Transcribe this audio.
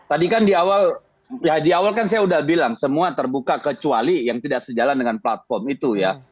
tadi kan di awal kan saya sudah bilang semua terbuka kecuali yang tidak sejalan dengan platform itu ya